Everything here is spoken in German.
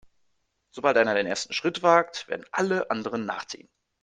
Sobald einer den ersten Schritt wagt, werden alle anderen nachziehen.